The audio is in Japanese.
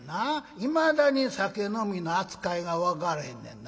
いまだに酒飲みの扱いが分からへんねんな。